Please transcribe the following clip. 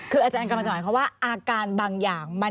คืออาจารย์กำลังจะหมายความว่าอาการบางอย่าง